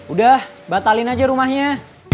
udah batalin aja rumahnya